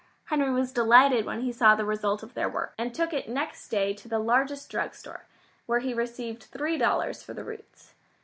Henry was delighted when he saw the result of their work, and took it next day to the largest drug store, where he received three dollars for the roots.